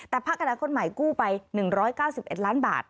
แต่พักอนาคตใหม่กู้ไป๑๙๑ล้านบาท